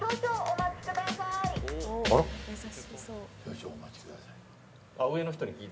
少々、お待ちください。